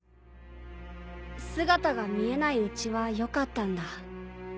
姿が見えないうちはよかったんだ。